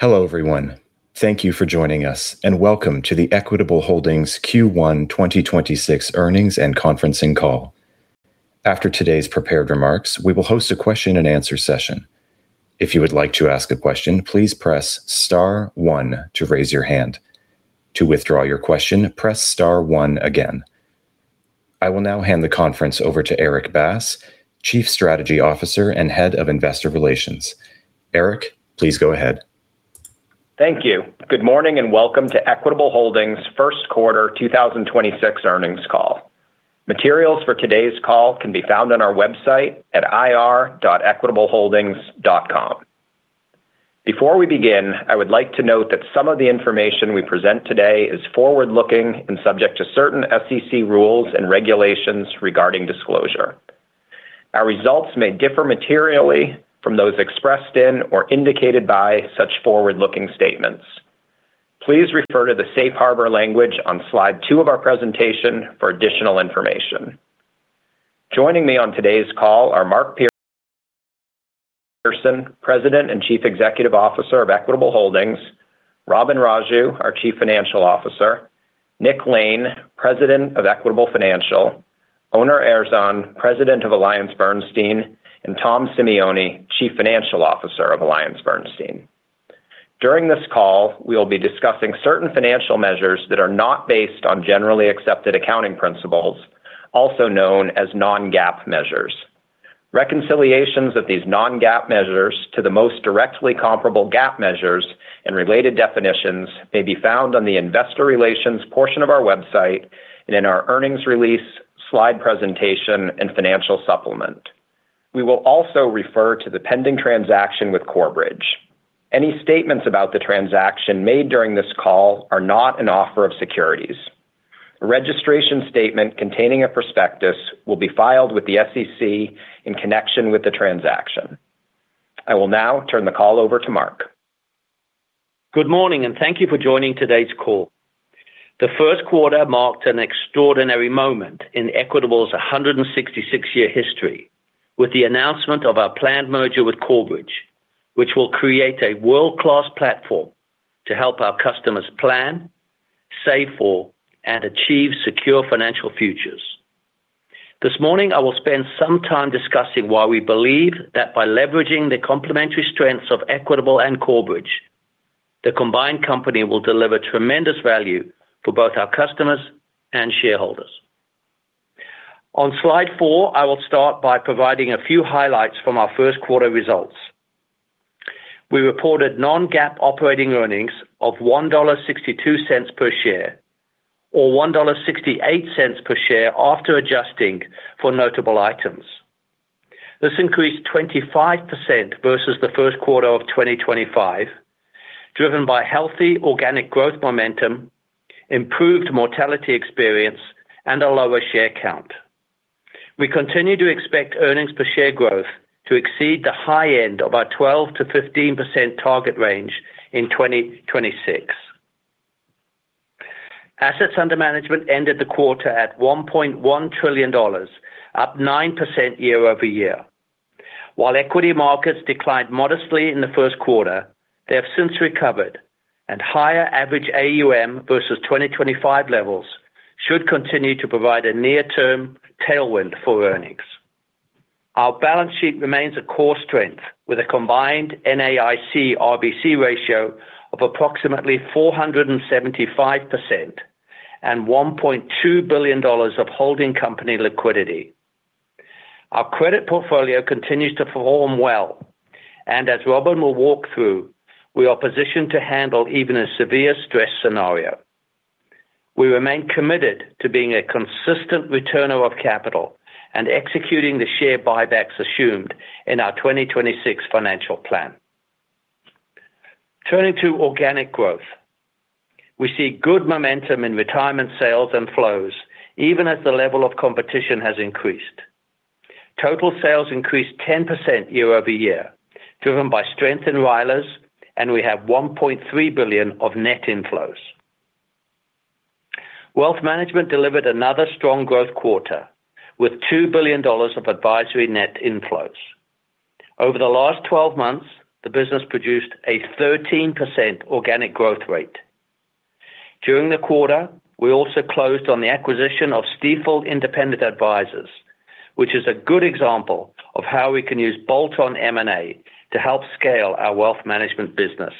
Hello, everyone. Thank you for joining us, and welcome to the Equitable Holdings Q1 2026 Earnings and Conferencing Call. After today's prepared remarks, we will host a question-and-answer session. If you would like to ask a question, please press star one to raise your hand. To withdraw your question, press star one again. I will now hand the conference over to Erik Bass, Chief Strategy Officer and Head of Investor Relations. Erik, please go ahead. Thank you. Good morning and welcome to Equitable Holdings' first quarter 2026 earnings call. Materials for today's call can be found on our website at ir.equitableholdings.com. Before we begin, I would like to note that some of the information we present today is forward-looking and subject to certain SEC rules and regulations regarding disclosure. Our results may differ materially from those expressed in or indicated by such forward-looking statements. Please refer to the safe harbor language on slide two of our presentation for additional information. Joining me on today's call are Mark Pearson, President and Chief Executive Officer of Equitable Holdings; Robin Raju, our Chief Financial Officer; Nick Lane, President of Equitable Holdings; Onur Erzan, President of AllianceBernstein; and Thomas Simeone, Chief Financial Officer of AllianceBernstein. During this call, we will be discussing certain financial measures that are not based on Generally Accepted Accounting Principles, also known as non-GAAP measures. Reconciliations of these non-GAAP measures to the most directly comparable GAAP measures and related definitions may be found on the investor relations portion of our website and in our earnings release, slide presentation, and financial supplement. We will also refer to the pending transaction with Corebridge. Any statements about the transaction made during this call are not an offer of securities. A registration statement containing a prospectus will be filed with the SEC in connection with the transaction. I will now turn the call over to Mark. Good morning, thank you for joining today's call. The first quarter marked an extraordinary moment in Equitable's 166-year history with the announcement of our planned merger with Corebridge, which will create a world-class platform to help our customers plan, save for, and achieve secure financial futures. This morning, I will spend some time discussing why we believe that by leveraging the complementary strengths of Equitable and Corebridge, the combined company will deliver tremendous value for both our customers and shareholders. On slide four, I will start by providing a few highlights from our first quarter results. We reported non-GAAP operating earnings of $1.62 per share, or $1.68 per share after adjusting for notable items. This increased 25% versus the first quarter of 2025, driven by healthy organic growth momentum, improved mortality experience, and a lower share count. We continue to expect earnings per share growth to exceed the high end of our 12%-15% target range in 2026. Assets under management ended the quarter at $1.1 trillion, up 9% year-over-year. While equity markets declined modestly in the first quarter, they have since recovered, and higher average AUM versus 2025 levels should continue to provide a near-term tailwind for earnings. Our balance sheet remains a core strength with a combined NAIC RBC ratio of approximately 475% and $1.2 billion of holding company liquidity. Our credit portfolio continues to perform well, and as Robin will walk through, we are positioned to handle even a severe stress scenario. We remain committed to being a consistent returner of capital and executing the share buybacks assumed in our 2026 financial plan. Turning to organic growth. We see good momentum in retirement sales and flows, even as the level of competition has increased. Total sales increased 10% year-over-year, driven by strength in RILAs, and we have $1.3 billion of net inflows. Wealth management delivered another strong growth quarter with $2 billion of advisory net inflows. Over the last 12 months, the business produced a 13% organic growth rate. During the quarter, we also closed on the acquisition of Stifel Independent Advisors, which is a good example of how we can use bolt-on M&A to help scale our wealth management business.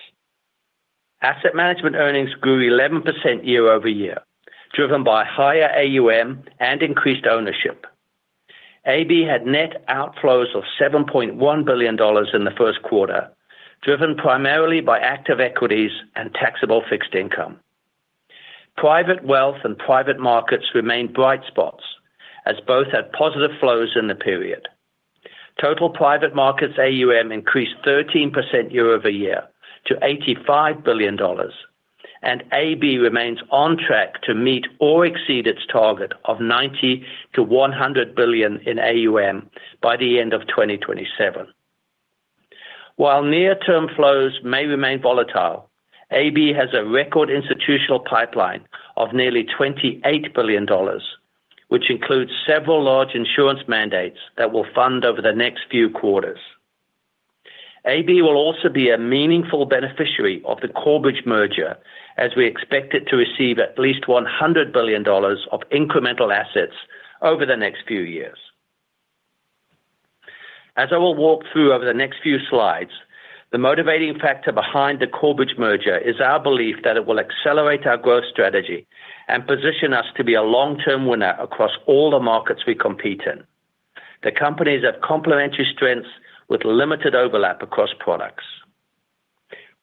Asset management earnings grew 11% year-over-year, driven by higher AUM and increased ownership. AB had net outflows of $7.1 billion in the first quarter, driven primarily by active equities and taxable fixed income. Private wealth and private markets remained bright spots as both had positive flows in the period. Total private markets AUM increased 13% year-over-year to $85 billion, and AB remains on track to meet or exceed its target of $90 billion-$100 billion in AUM by the end of 2027. While near-term flows may remain volatile, AB has a record institutional pipeline of nearly $28 billion, which includes several large insurance mandates that will fund over the next few quarters. AB will also be a meaningful beneficiary of the Corebridge merger, as we expect it to receive at least $100 billion of incremental assets over the next few years. As I will walk through over the next few slides, the motivating factor behind the Corebridge merger is our belief that it will accelerate our growth strategy and position us to be a long-term winner across all the markets we compete in. The companies have complementary strengths with limited overlap across products.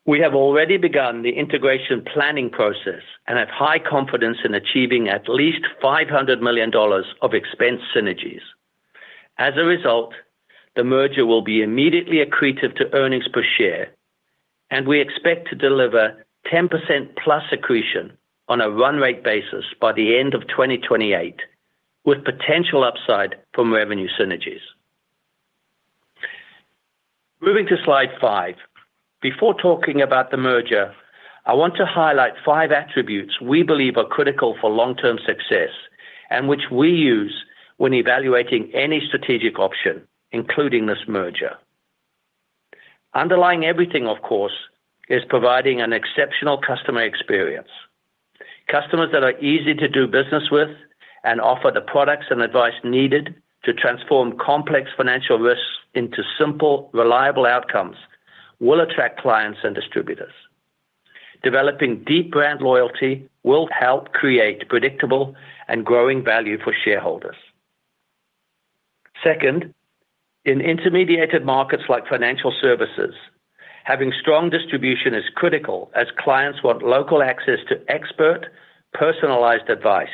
We have already begun the integration planning process and have high confidence in achieving at least $500 million of expense synergies. As a result, the merger will be immediately accretive to earnings per share, and we expect to deliver 10%+ accretion on a run rate basis by the end of 2028, with potential upside from revenue synergies. Moving to slide five, before talking about the merger, I want to highlight five attributes we believe are critical for long-term success and which we use when evaluating any strategic option, including this merger. Underlying everything, of course, is providing an exceptional customer experience. Customers that are easy to do business with and offer the products and advice needed to transform complex financial risks into simple, reliable outcomes will attract clients and distributors. Developing deep brand loyalty will help create predictable and growing value for shareholders. Second, in intermediated markets like financial services, having strong distribution is critical as clients want local access to expert, personalized advice.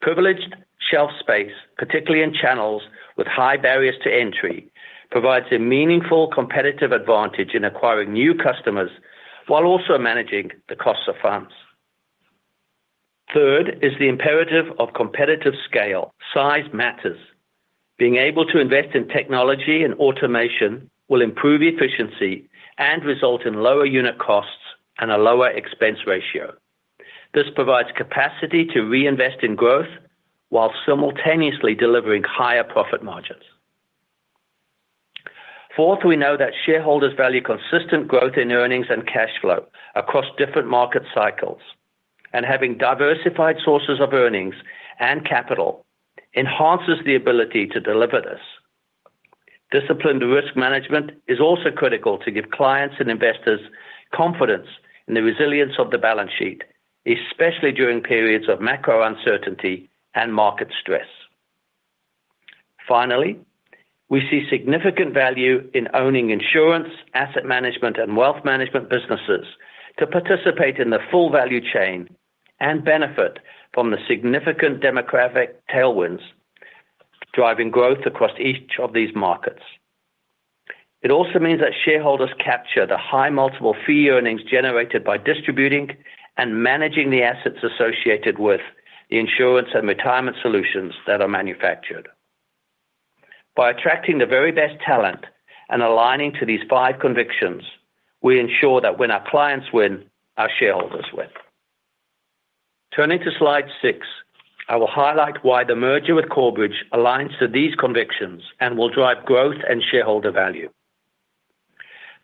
Privileged shelf space, particularly in channels with high barriers to entry, provides a meaningful competitive advantage in acquiring new customers while also managing the cost of funds. Third is the imperative of competitive scale. Size matters. Being able to invest in technology and automation will improve efficiency and result in lower unit costs and a lower expense ratio. This provides capacity to reinvest in growth while simultaneously delivering higher profit margins. Fourth, we know that shareholders value consistent growth in earnings and cash flow across different market cycles, and having diversified sources of earnings and capital enhances the ability to deliver this. Disciplined risk management is also critical to give clients and investors confidence in the resilience of the balance sheet, especially during periods of macro uncertainty and market stress. Finally, we see significant value in owning insurance, asset management, and wealth management businesses to participate in the full value chain and benefit from the significant demographic tailwinds driving growth across each of these markets. It also means that shareholders capture the high multiple fee earnings generated by distributing and managing the assets associated with the insurance and retirement solutions that are manufactured. By attracting the very best talent and aligning to these five convictions, we ensure that when our clients win, our shareholders win. Turning to slide six, I will highlight why the merger with Corebridge aligns to these convictions and will drive growth and shareholder value.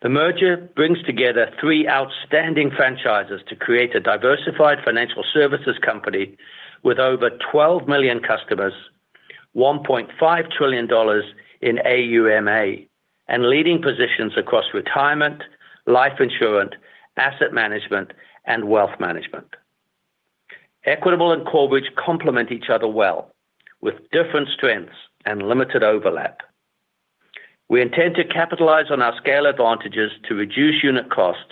The merger brings together three outstanding franchises to create a diversified financial services company with over 12 million customers, $1.5 trillion in AUMA, and leading positions across retirement, life insurance, asset management, and wealth management. Equitable and Corebridge complement each other well with different strengths and limited overlap. We intend to capitalize on our scale advantages to reduce unit costs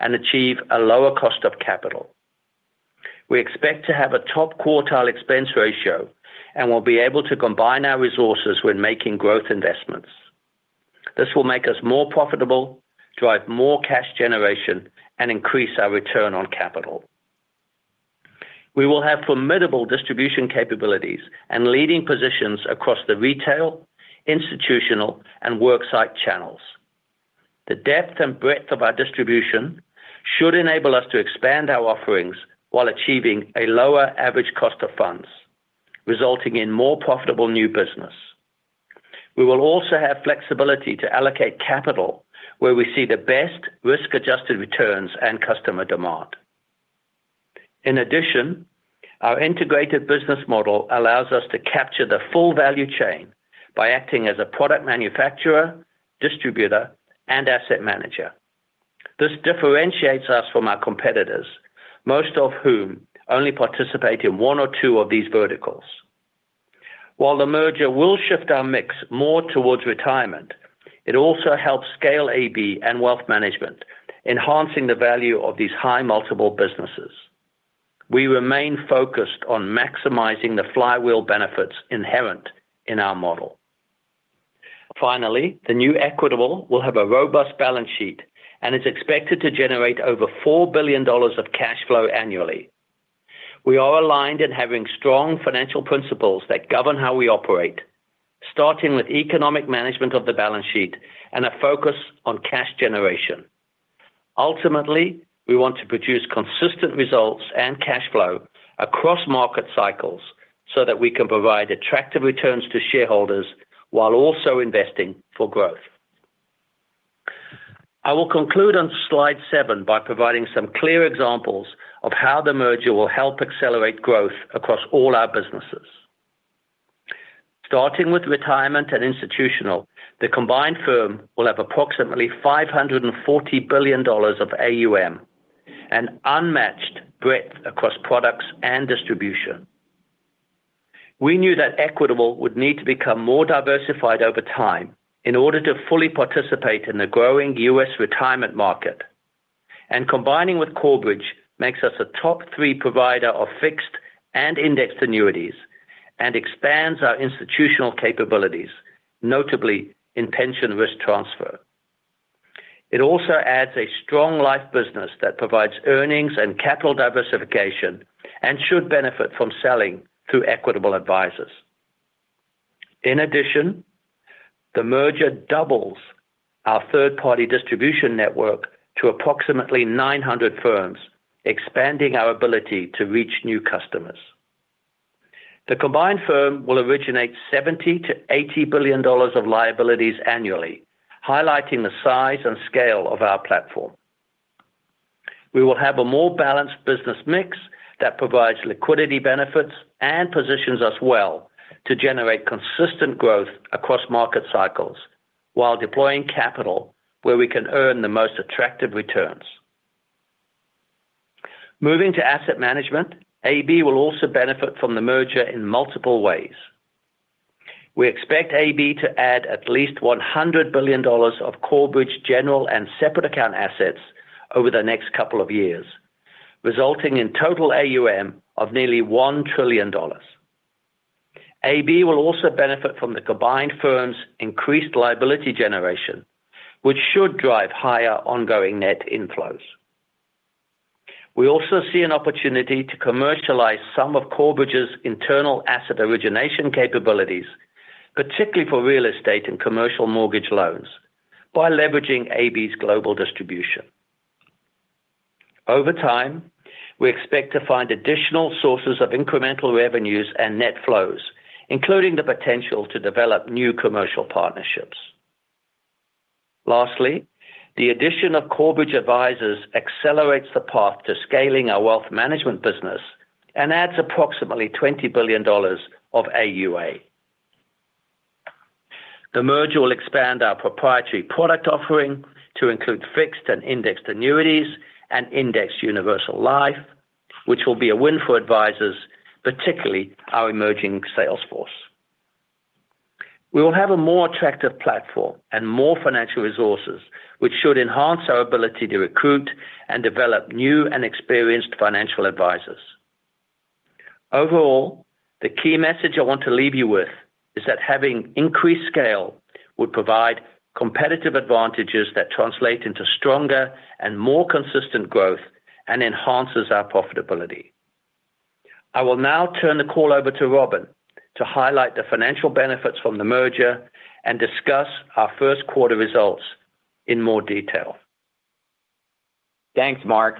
and achieve a lower cost of capital. We expect to have a top quartile expense ratio and will be able to combine our resources when making growth investments. This will make us more profitable, drive more cash generation, and increase our return on capital. We will have formidable distribution capabilities and leading positions across the retail, institutional, and work site channels. The depth and breadth of our distribution should enable us to expand our offerings while achieving a lower average cost of funds, resulting in more profitable new business. We will also have flexibility to allocate capital where we see the best risk-adjusted returns and customer demand. In addition, our integrated business model allows us to capture the full value chain by acting as a product manufacturer, distributor, and asset manager. This differentiates us from our competitors, most of whom only participate in one or two of these verticals. While the merger will shift our mix more towards retirement, it also helps scale AB and wealth management, enhancing the value of these high multiple businesses. We remain focused on maximizing the flywheel benefits inherent in our model. Finally, the new Equitable will have a robust balance sheet and is expected to generate over $4 billion of cash flow annually. We are aligned in having strong financial principles that govern how we operate, starting with economic management of the balance sheet and a focus on cash generation. Ultimately, we want to produce consistent results and cash flow across market cycles so that we can provide attractive returns to shareholders while also investing for growth. I will conclude on slide seven by providing some clear examples of how the merger will help accelerate growth across all our businesses. Starting with Retirement and Institutional, the combined firm will have approximately $540 billion of AUM and unmatched breadth across products and distribution. We knew that Equitable would need to become more diversified over time in order to fully participate in the growing U.S. retirement market. Combining with Corebridge makes us a top three provider of fixed and indexed annuities and expands our institutional capabilities, notably in pension risk transfer. It also adds a strong life business that provides earnings and capital diversification and should benefit from selling through Equitable Advisors. In addition, the merger doubles our third-party distribution network to approximately 900 firms, expanding our ability to reach new customers. The combined firm will originate $70 billion-$80 billion of liabilities annually, highlighting the size and scale of our platform. We will have a more balanced business mix that provides liquidity benefits and positions us well to generate consistent growth across market cycles while deploying capital where we can earn the most attractive returns. Moving to asset management, AB will also benefit from the merger in multiple ways. We expect AB to add at least $100 billion of Corebridge general and separate account assets over the next couple of years, resulting in total AUM of nearly $1 trillion. AB will also benefit from the combined firms increased liability generation, which should drive higher ongoing net inflows. We also see an opportunity to commercialize some of Corebridge's internal asset origination capabilities, particularly for real estate and commercial mortgage loans, by leveraging AB's global distribution. Over time, we expect to find additional sources of incremental revenues and net flows, including the potential to develop new commercial partnerships. Lastly, the addition of Corebridge Advisors accelerates the path to scaling our wealth management business and adds approximately $20 billion of AUA. The merger will expand our proprietary product offering to include fixed and indexed annuities and indexed universal life, which will be a win for advisors, particularly our emerging sales force. We will have a more attractive platform and more financial resources, which should enhance our ability to recruit and develop new and experienced financial advisors. Overall, the key message I want to leave you with is that having increased scale would provide competitive advantages that translate into stronger and more consistent growth and enhances our profitability. I will now turn the call over to Robin to highlight the financial benefits from the merger and discuss our first quarter results in more detail. Thanks, Mark.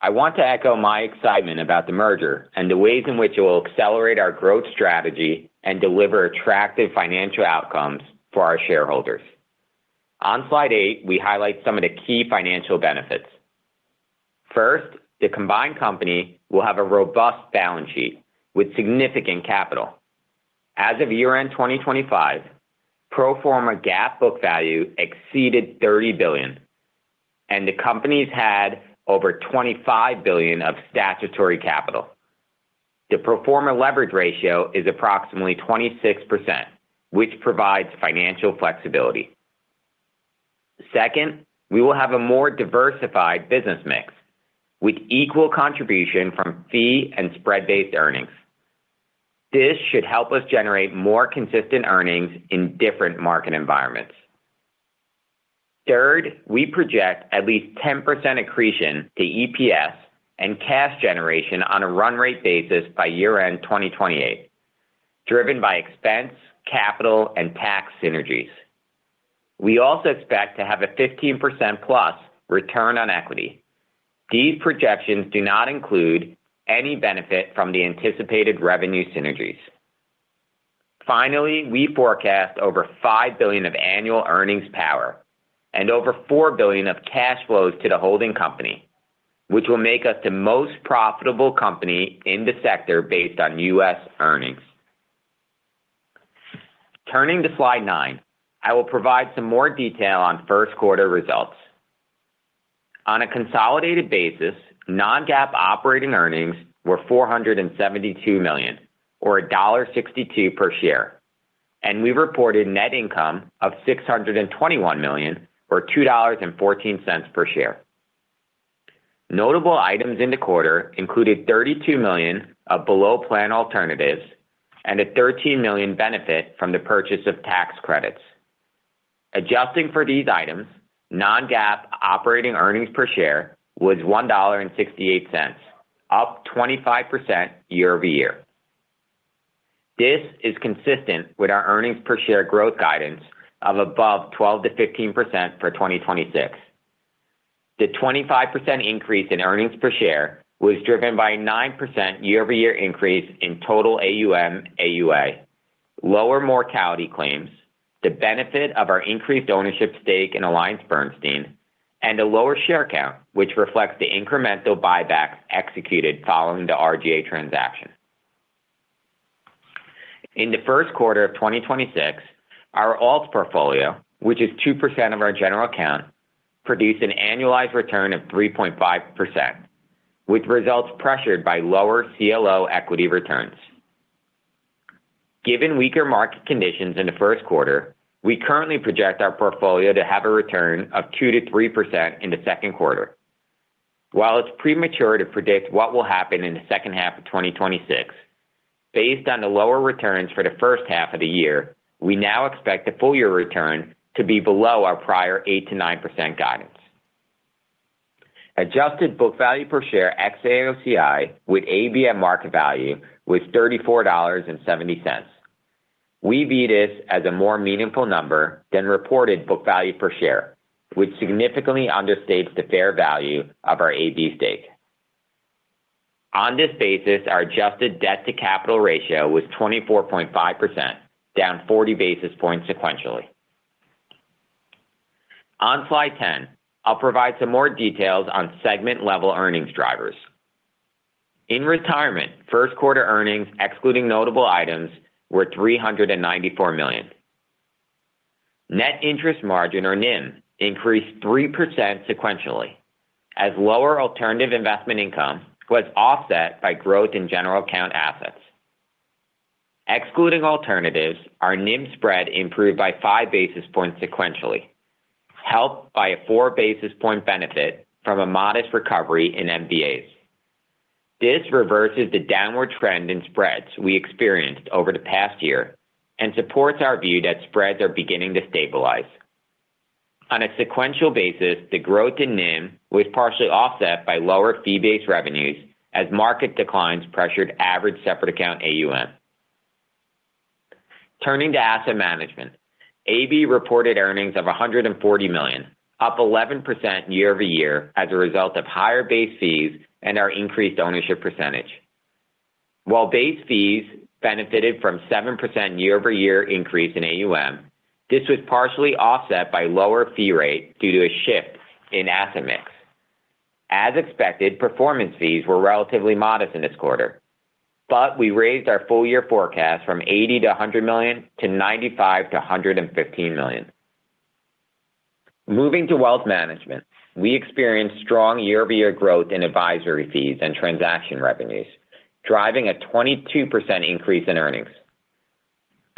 I want to echo my excitement about the merger and the ways in which it will accelerate our growth strategy and deliver attractive financial outcomes for our shareholders. On slide eight, we highlight some of the key financial benefits. First, the combined company will have a robust balance sheet with significant capital. As of year-end 2025, pro forma GAAP book value exceeded $30 billion, and the companies had over $25 billion of statutory capital. The pro forma leverage ratio is approximately 26%, which provides financial flexibility. Second, we will have a more diversified business mix with equal contribution from fee and spread-based earnings. This should help us generate more consistent earnings in different market environments. Third, we project at least 10% accretion to EPS and cash generation on a run rate basis by year-end 2028, driven by expense, capital, and tax synergies. We also expect to have a 15%+ return on equity. These projections do not include any benefit from the anticipated revenue synergies. Finally, we forecast over $5 billion of annual earnings power and over $4 billion of cash flows to the holding company, which will make us the most profitable company in the sector based on U.S. earnings. Turning to slide nine, I will provide some more detail on first quarter results. On a consolidated basis, non-GAAP operating earnings were $472 million or $1.62 per share, and we reported net income of $621 million or $2.14 per share. Notable items in the quarter included $32 million of below plan alternatives and a $13 million benefit from the purchase of tax credits. Adjusting for these items, non-GAAP operating earnings per share was $1.68, up 25% year-over-year. This is consistent with our earnings per share growth guidance of above 12%-15% for 2026. The 25% increase in earnings per share was driven by 9% year-over-year increase in total AUM, AUA, lower mortality claims, the benefit of our increased ownership stake in AllianceBernstein, and a lower share count, which reflects the incremental buybacks executed following the RGA transaction. In the first quarter of 2026, our alts portfolio, which is 2% of our general account, produced an annualized return of 3.5%, with results pressured by lower CLO equity returns. Given weaker market conditions in the first quarter, we currently project our portfolio to have a return of 2%-3% in the second quarter. While it's premature to predict what will happen in the second half of 2026, based on the lower returns for the first half of the year, we now expect the full year return to be below our prior 8%-9% guidance. Adjusted book value per share ex-AOCI with AB at market value was $34.70. We view this as a more meaningful number than reported book value per share, which significantly understates the fair value of our AB stake. On this basis, our adjusted debt-to-capital ratio was 24.5%, down 40 basis points sequentially. On slide 10, I'll provide some more details on segment-level earnings drivers. In retirement, first quarter earnings excluding notable items were $394 million. Net interest margin, or NIM, increased 3% sequentially, as lower alternative investment income was offset by growth in general account assets. Excluding alternatives, our NIM spread improved by 5 basis points sequentially, helped by a 4 basis point benefit from a modest recovery in MVAs. This reverses the downward trend in spreads we experienced over the past year and supports our view that spreads are beginning to stabilize. On a sequential basis, the growth in NIM was partially offset by lower fee-based revenues as market declines pressured average separate account AUM. Turning to asset management, AB reported earnings of $140 million, up 11% year-over-year as a result of higher base fees and our increased ownership percentage. While base fees benefited from 7% year-over-year increase in AUM, this was partially offset by lower fee rate due to a shift in asset mix. As expected, performance fees were relatively modest in this quarter, but we raised our full year forecast from $80 million-$100 million to $95 million-$115 million. Moving to wealth management, we experienced strong year-over-year growth in advisory fees and transaction revenues, driving a 22% increase in earnings.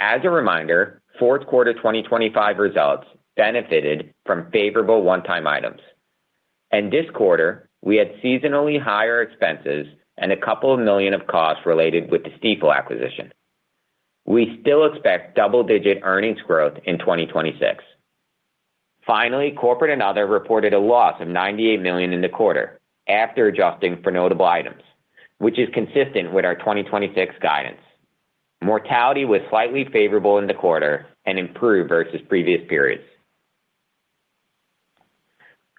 As a reminder, fourth quarter 2025 results benefited from favorable one-time items. In this quarter, we had seasonally higher expenses and a couple of million of costs related with the Stifel acquisition. We still expect double-digit earnings growth in 2026. Finally, corporate and other reported a loss of $98 million in the quarter after adjusting for notable items, which is consistent with our 2026 guidance. Mortality was slightly favorable in the quarter and improved versus previous periods.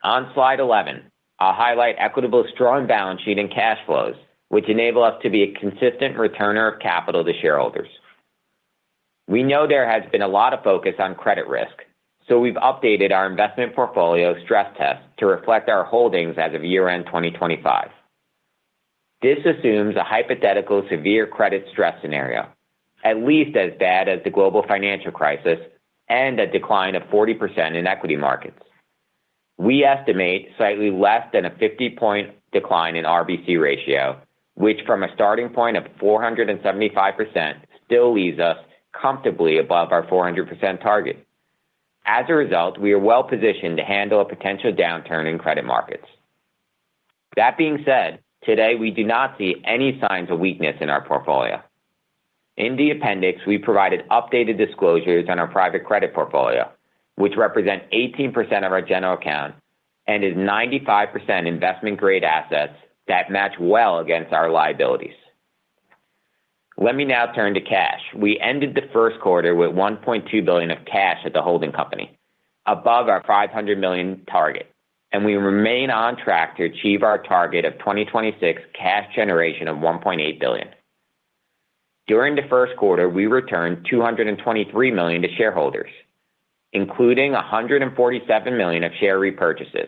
On slide 11, I'll highlight Equitable's strong balance sheet and cash flows, which enable us to be a consistent returner of capital to shareholders. We know there has been a lot of focus on credit risk, so we've updated our investment portfolio stress test to reflect our holdings as of year-end 2025. This assumes a hypothetical severe credit stress scenario, at least as bad as the global financial crisis and a decline of 40% in equity markets. We estimate slightly less than a 50-point decline in RBC ratio, which from a starting point of 475% still leaves us comfortably above our 400% target. As a result, we are well-positioned to handle a potential downturn in credit markets. That being said, today we do not see any signs of weakness in our portfolio. In the appendix, we provided updated disclosures on our private credit portfolio, which represent 18% of our general account and is 95% investment-grade assets that match well against our liabilities. Let me now turn to cash. We ended the first quarter with $1.2 billion of cash at the holding company, above our $500 million target, and we remain on track to achieve our target of 2026 cash generation of $1.8 billion. During the first quarter, we returned $223 million to shareholders, including $147 million of share repurchases.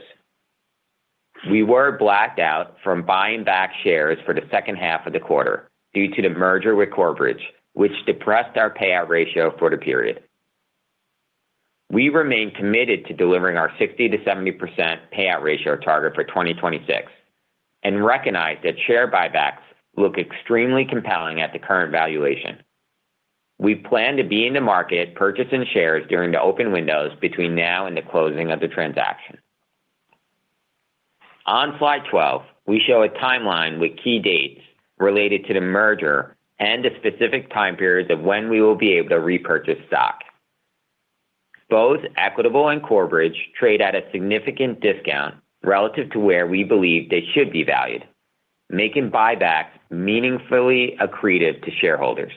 We were blacked out from buying back shares for the second half of the quarter due to the merger with Corebridge, which depressed our payout ratio for the period. We remain committed to delivering our 60%-70% payout ratio target for 2026 and recognize that share buybacks look extremely compelling at the current valuation. We plan to be in the market purchasing shares during the open windows between now and the closing of the transaction. On slide 12, we show a timeline with key dates related to the merger and the specific time periods of when we will be able to repurchase stock. Both Equitable and Corebridge trade at a significant discount relative to where we believe they should be valued, making buybacks meaningfully accretive to shareholders.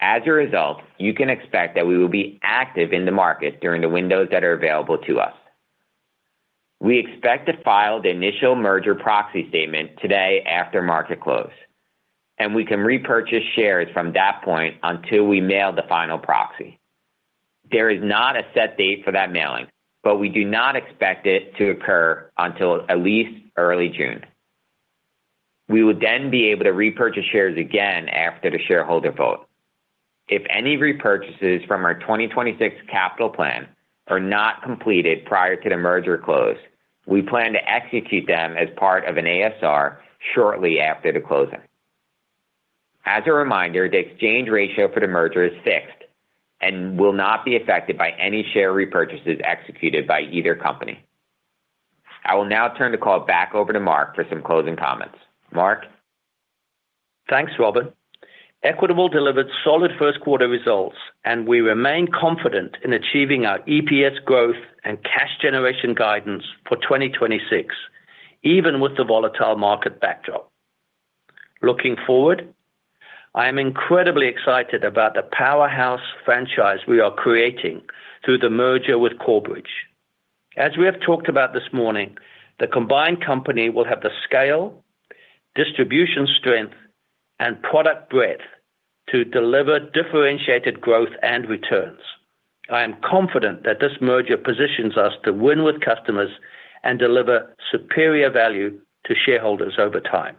As a result, you can expect that we will be active in the market during the windows that are available to us. We expect to file the initial merger proxy statement today after market close. We can repurchase shares from that point until we mail the final proxy. There is not a set date for that mailing, we do not expect it to occur until at least early June. We will be able to repurchase shares again after the shareholder vote. If any repurchases from our 2026 capital plan are not completed prior to the merger close, we plan to execute them as part of an ASR shortly after the closing. As a reminder, the exchange ratio for the merger is fixed and will not be affected by any share repurchases executed by either company. I will now turn the call back over to Mark for some closing comments. Mark? Thanks, Robin. Equitable delivered solid first quarter results, and we remain confident in achieving our EPS growth and cash generation guidance for 2026, even with the volatile market backdrop. Looking forward, I am incredibly excited about the powerhouse franchise we are creating through the merger with Corebridge. As we have talked about this morning, the combined company will have the scale, distribution strength, and product breadth to deliver differentiated growth and returns. I am confident that this merger positions us to win with customers and deliver superior value to shareholders over time.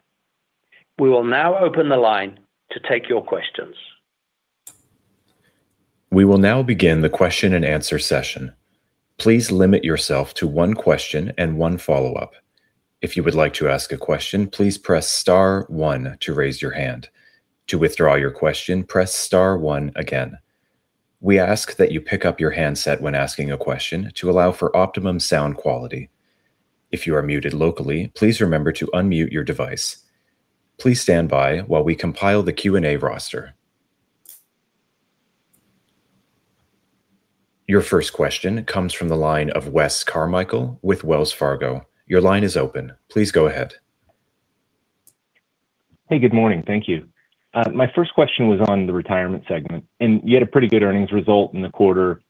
We will now open the line to take your questions. We will now begin the question-and-answer session. Please limit yourself to one question and one follow-up. If you would like to ask a question, Please press star one to raise your hand, to withdraw your question press star one again. We ask that you pick up your handset when asking a question to allow for optimum sound quality. If you are muted locally please remember to unmute your device. Please stand by while we compile the Q&A roster. Your first question comes from the line of Wes Carmichael with Wells Fargo. Your line is open. Please go ahead. Hey, good morning. Thank you. My first question was on the retirement segment. You had a pretty good earnings result in the quarter.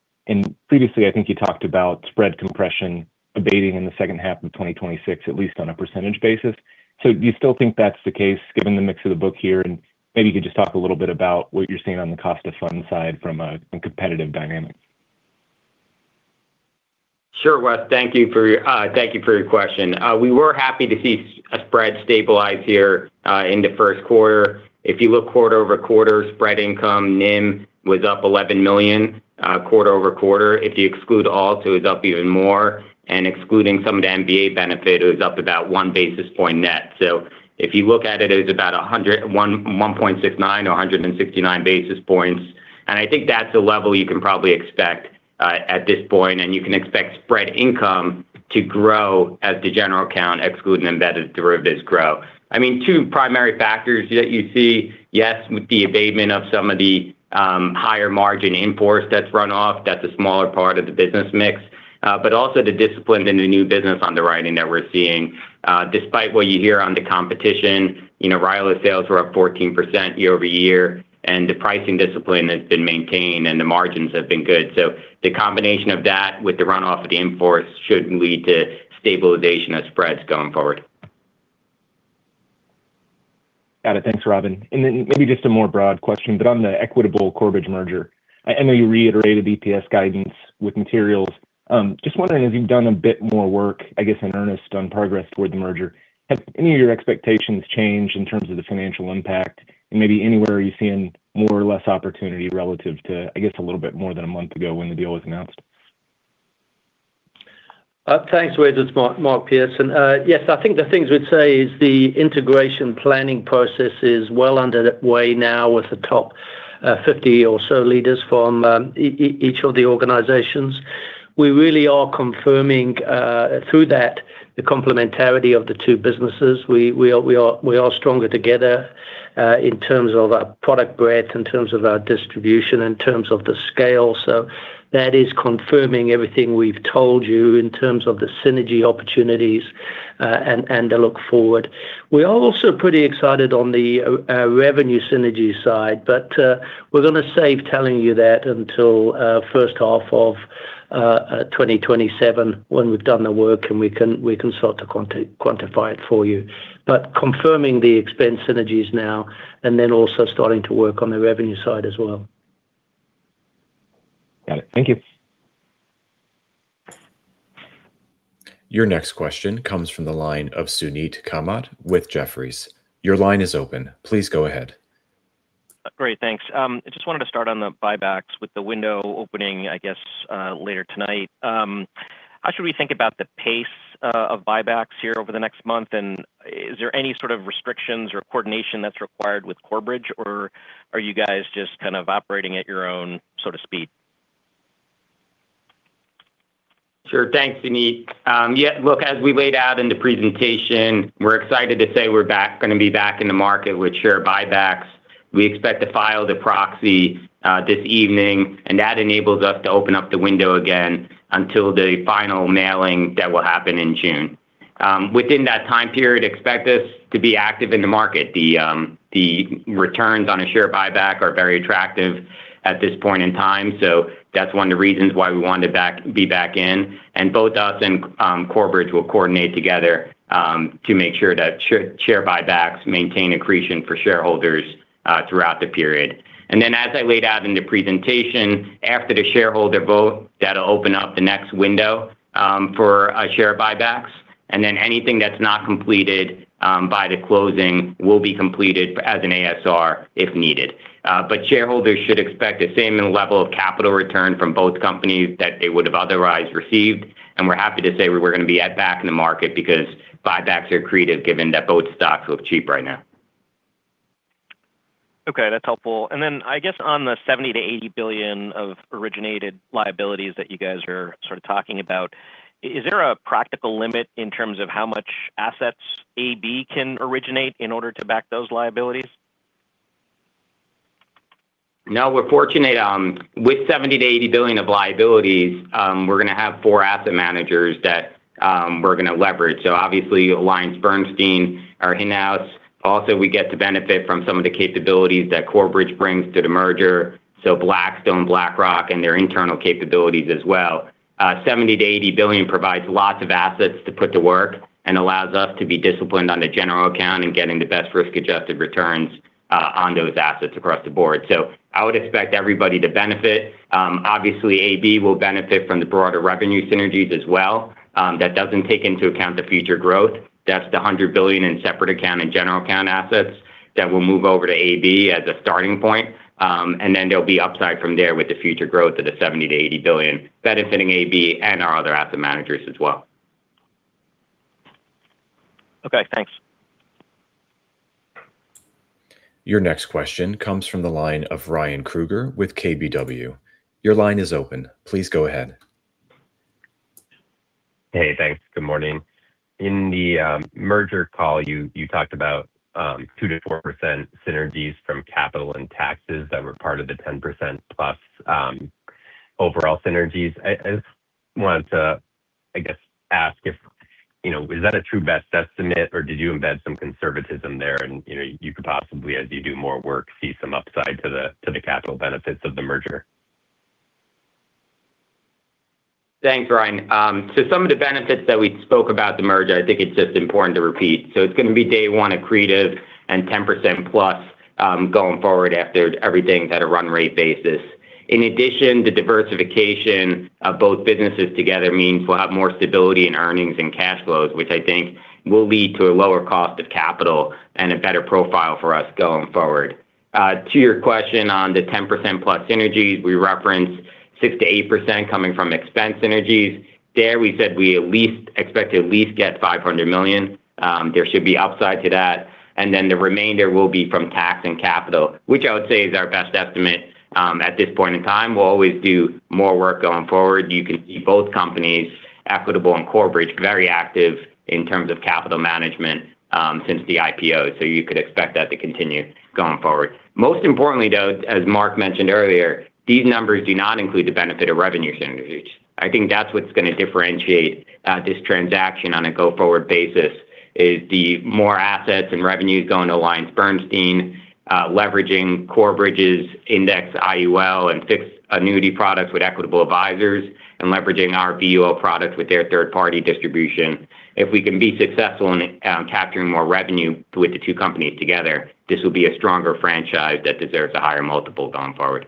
Previously, I think you talked about spread compression abating in the second half of 2026, at least on a percentage basis. Do you still think that's the case given the mix of the book here? Maybe you could just talk a little bit about what you're seeing on the cost of funds side from competitive dynamic. Sure, Wes. Thank you for your question. We were happy to see a spread stabilize here in the first quarter. If you look quarter-over-quarter, spread income NIM was up $11 million quarter-over-quarter. If you exclude alts too, it's up even more, and excluding some of the MVA benefit, it was up about 1 basis point net. If you look at it was about 1.69% or 169 basis points. I think that's a level you can probably expect at this point, and you can expect spread income to grow as the general account excluding embedded derivatives grow. I mean, two primary factors that you see, yes, with the abatement of some of the higher margin in-force that's run off, that's a smaller part of the business mix, but also the discipline in the new business underwriting that we're seeing. Despite what you hear on the competition, you know, RILA sales were up 14% year-over-year, and the pricing discipline has been maintained, and the margins have been good. The combination of that with the runoff of the in-force should lead to stabilization of spreads going forward. Got it. Thanks, Robin. Maybe just a more broad question, but on the Equitable-Corebridge merger, I know you reiterated EPS guidance with materials. Just wondering if you've done a bit more work, I guess, in earnest on progress toward the merger. Have any of your expectations changed in terms of the financial impact? Maybe anywhere are you seeing more or less opportunity relative to, I guess, a little bit more than a month ago when the deal was announced? Thanks, Wes. It's Mark Pearson. Yes, I think the things we'd say is the integration planning process is well underway now with the top 50 or so leaders from each of the organizations. We really are confirming through that the complementarity of the two businesses. We are stronger together in terms of our product breadth, in terms of our distribution, in terms of the scale. That is confirming everything we've told you in terms of the synergy opportunities and the look forward. We are also pretty excited on the revenue synergy side, but we're gonna save telling you that until first half of 2027 when we've done the work and we can start to quantify it for you. Confirming the expense synergies now and then also starting to work on the revenue side as well. Got it. Thank you. Your next question comes from the line of Suneet Kamath with Jefferies. Your line is open. Please go ahead. Great. Thanks. I just wanted to start on the buybacks with the window opening, I guess, later tonight. How should we think about the pace of buybacks here over the next month? Is there any sort of restrictions or coordination that's required with Corebridge, or are you guys just kind of operating at your own sort of speed? Sure. Thanks, Suneet. As we laid out in the presentation, we're excited to say we're gonna be back in the market with share buybacks. We expect to file the proxy this evening. That enables us to open up the window again until the final mailing that will happen in June. Within that time period, expect us to be active in the market. The returns on a share buyback are very attractive at this point in time. That's one of the reasons why we wanted to be back in. Both us and Corebridge will coordinate together to make sure that share buybacks maintain accretion for shareholders throughout the period. As I laid out in the presentation, after the shareholder vote, that'll open up the next window for share buybacks. Anything that's not completed, by the closing will be completed as an ASR if needed. Shareholders should expect the same level of capital return from both companies that they would have otherwise received. We're happy to say we're going to be at back in the market because buybacks are accretive given that both stocks look cheap right now. Okay, that's helpful. I guess on the $70 billion-$80 billion of originated liabilities that you guys are sort of talking about, is there a practical limit in terms of how much assets AB can originate in order to back those liabilities? No, we're fortunate. With $70 billion-$80 billion of liabilities, we're gonna have four asset managers that we're gonna leverage. Obviously AllianceBernstein are in-house. Also, we get to benefit from some of the capabilities that Corebridge brings to the merger, so Blackstone, BlackRock, and their internal capabilities as well. $70 billion-$80 billion provides lots of assets to put to work and allows us to be disciplined on the general account and getting the best risk-adjusted returns on those assets across the board. I would expect everybody to benefit. Obviously, AB will benefit from the broader revenue synergies as well. That doesn't take into account the future growth. That's the $100 billion in separate account and general account assets that will move over to AB as a starting point. Then there'll be upside from there with the future growth of the $70 billion-$80 billion benefiting AB and our other asset managers as well. Okay, thanks. Your next question comes from the line of Ryan Krueger with KBW. Your line is open. Please go ahead. Hey, thanks. Good morning. In the merger call, you talked about 2%-4% synergies from capital and taxes that were part of the 10%+ overall synergies. I just wanted to, I guess, ask if, you know, is that a true best estimate or did you embed some conservatism there and, you know, you could possibly, as you do more work, see some upside to the capital benefits of the merger? Thanks, Ryan. Some of the benefits that we spoke about the merger, I think it's just important to repeat. It's gonna be day one accretive and 10%+ going forward after everything's at a run rate basis. In addition, the diversification of both businesses together means we'll have more stability in earnings and cash flows, which I think will lead to a lower cost of capital and a better profile for us going forward. To your question on the 10%+ synergies, we referenced 6%-8% coming from expense synergies. There we said we at least expect to at least get $500 million. There should be upside to that. The remainder will be from tax and capital, which I would say is our best estimate at this point in time. We'll always do more work going forward. You can see both companies, Equitable and Corebridge, very active in terms of capital management, since the IPO, you could expect that to continue going forward. Most importantly, though, as Mark mentioned earlier, these numbers do not include the benefit of revenue synergies. I think that's what's gonna differentiate this transaction on a go-forward basis, is the more assets and revenues going to AllianceBernstein, leveraging Corebridge's index IUL and fixed annuity products with Equitable Advisors and leveraging our VO product with their third-party distribution. If we can be successful in capturing more revenue with the two companies together, this will be a stronger franchise that deserves a higher multiple going forward.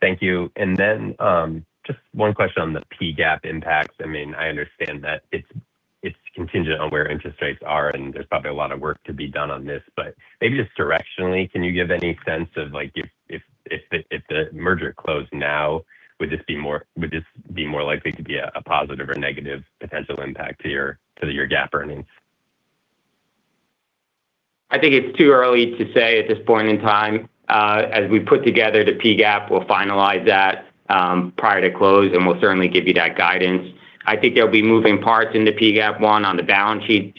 Thank you. Just one question on the P-GAAP impacts. I mean, I understand that it's contingent on where interest rates are, and there's probably a lot of work to be done on this. Maybe just directionally, can you give any sense of, like, if the merger closed now, would this be more likely to be a positive or negative potential impact to your GAAP earnings? I think it's too early to say at this point in time. As we put together the P-GAAP, we'll finalize that prior to close, and we'll certainly give you that guidance. I think there'll be moving parts in the P-GAAP, one, on the balance sheet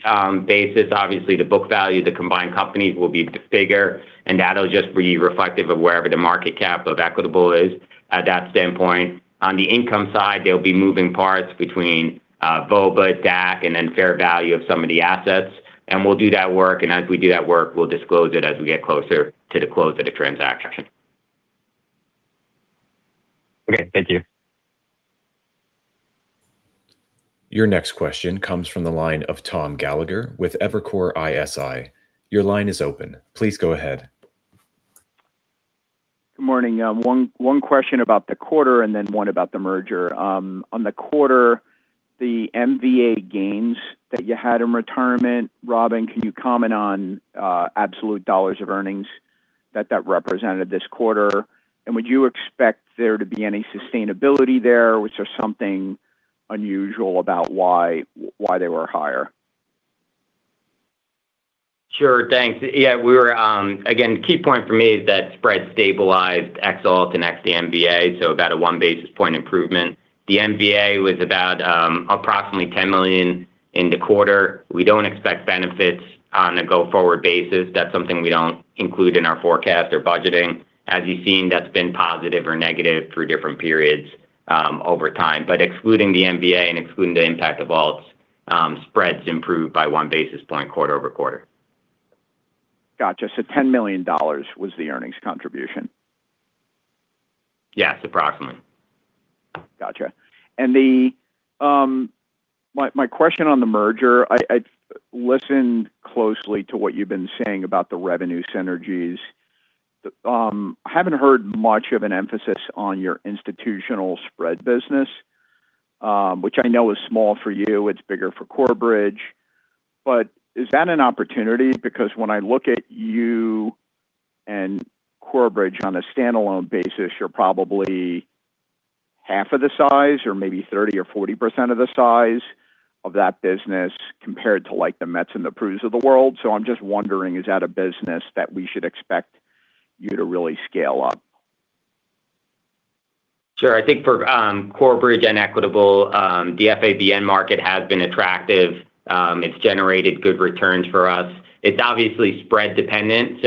basis. Obviously, the book value of the combined companies will be bigger, and that'll just be reflective of wherever the market cap of Equitable is at that standpoint. On the income side, there'll be moving parts between VOBA, DAC, and then fair value of some of the assets, and we'll do that work. As we do that work, we'll disclose it as we get closer to the close of the transaction. Okay. Thank you. Your next question comes from the line of Tom Gallagher with Evercore ISI. Your line is open. Please go ahead. Good morning. One question about the quarter and then one about the merger. On the quarter, the MVA gains that you had in retirement, Robin, can you comment on absolute dollars of earnings that that represented this quarter? Would you expect there to be any sustainability there, or was there something unusual about why they were higher? Sure. Thanks. We were, again, key point for me is that spread stabilized ex-alt and ex-DMVA, so about a 1 basis point improvement. The MVA was about, approximately $10 million in the quarter. We don't expect benefits on a go-forward basis. That's something we don't include in our forecast or budgeting. As you've seen, that's been positive or negative through different periods over time. Excluding the MVA and excluding the impact of alts, spreads improved by 1 basis point quarter-over-quarter. Gotcha. $10 million was the earnings contribution? Yes. Approximately. Gotcha. My question on the merger, I listened closely to what you've been saying about the revenue synergies. I haven't heard much of an emphasis on your institutional spread business, which I know is small for you. It's bigger for Corebridge. Is that an opportunity? Because when I look at you and Corebridge on a standalone basis, you're probably half of the size or maybe 30% or 40% of the size of that business compared to, like, the Mets and the Prus of the world. I'm just wondering, is that a business that we should expect you to really scale up? Sure. I think for Corebridge and Equitable, the FABN market has been attractive. It's generated good returns for us. It's obviously spread dependent,